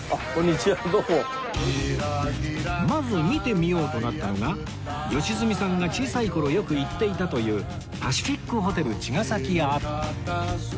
まず見てみようとなったのが良純さんが小さい頃よく行っていたというパシフィックホテル茅ヶ崎跡